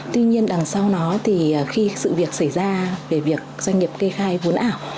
tuy nhiên đằng sau nó thì khi sự việc xảy ra về việc doanh nghiệp kê khai vốn ảo